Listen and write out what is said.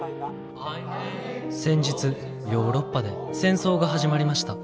「先日ヨーロッパで戦争が始まりました。